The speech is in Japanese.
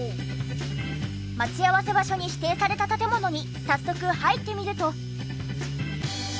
待ち合わせ場所に指定された建物に早速入ってみると。